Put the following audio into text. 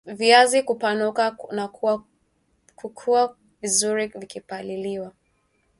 viazi kupanuka na kukua vizuri vikipaliliwa